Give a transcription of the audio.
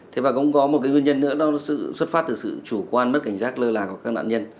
thế và cũng có một cái nguyên nhân nữa đó là sự xuất phát từ sự chủ quan mất cảnh giác lơ là của các nạn nhân